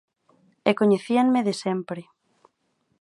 E coñecíanme de sempre.